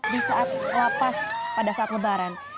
di saat lapas pada saat lebaran